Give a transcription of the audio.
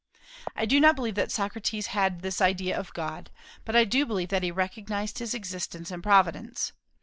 I do not believe that Socrates had this idea of God; but I do believe that he recognized His existence and providence.